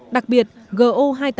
đặc biệt go hai trăm tám mươi chín